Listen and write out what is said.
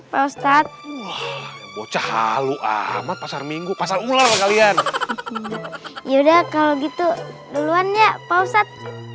prostat bocah halu amat pasar minggu pasar mula kalian yaudah kalau gitu duluan ya pausat